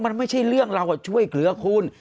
มันไม่ใช่เรื่องเราช่วยเหลือคุณ